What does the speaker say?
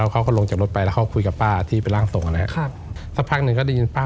เขาก็ลงจากรถไปแล้วเขาคุยกับต้าที่เป็นร่างทรง